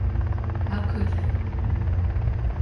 How could they?